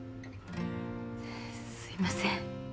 すいません。